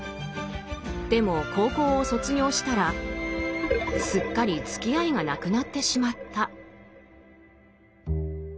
でも高校を卒業したらすっかりつきあいがなくなってしまった。